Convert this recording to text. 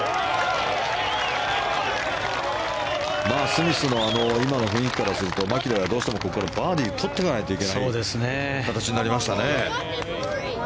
スミスの今の雰囲気からするとマキロイはどうしてもここからバーディーを取っていかないといけない形になりましたね。